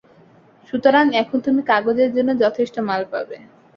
সুতরাং এখন তুমি কাগজের জন্য যথেষ্ট মাল পাবে।